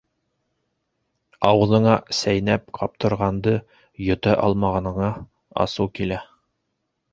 Ауыҙыңа сәйнәп ҡаптырғанды йота алмағаныңа асыу килә.